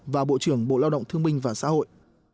và bộ trưởng bộ lao động thương minh và xã hội